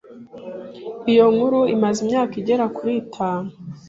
iyo nkuru imaze imyaka igera kuri itanu